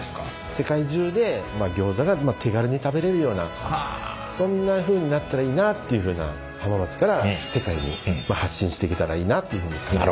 世界中でギョーザが手軽に食べれるようなそんなふうになったらいいなっていうふうな浜松から世界に発信していけたらいいなっていうふうに考えてます。